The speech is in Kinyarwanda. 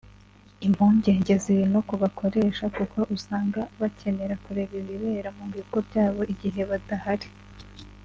Impungenge ziri no ku bakoresha kuko usanga bakenera kureba ibibera mu bigo byabo igihe badahari